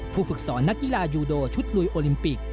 ฝึกสอนนักกีฬายูโดชุดลุยโอลิมปิก